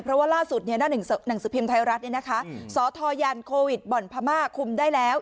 เพราะว่าล่าสุดหน้าหนังสือพิมพ์ไทยรัฐสทยันโควิดบ่อนพม่าคุมได้แล้ว